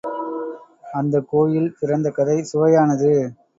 அந்தக் கோயில் பிறந்த கதை சுவையானது.